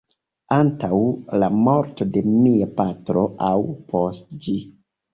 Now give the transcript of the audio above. Antaŭ la morto de mia patro aŭ post ĝi?